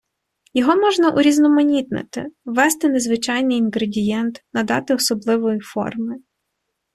Його можна урізноманітнити: ввести незвичайний інгредієнт, надати особливої форми.